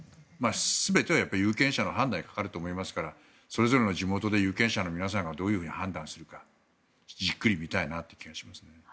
すべては有権者の判断にかかると思いますからそれぞれの地元で有権者がどう判断するかじっくり見たいなという気がしますね。